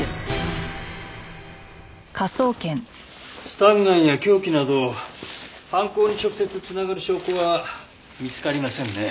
スタンガンや凶器など犯行に直接繋がる証拠は見つかりませんね。